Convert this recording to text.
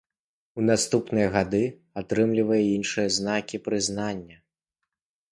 У наступныя гады атрымлівае іншыя знакі прызнання.